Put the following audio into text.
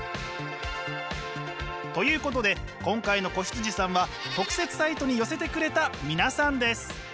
ということで今回の子羊さんは特設サイトに寄せてくれた皆さんです！